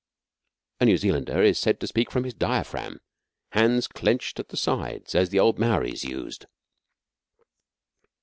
A New Zealander is said to speak from his diaphragm, hands clenched at the sides, as the old Maoris used.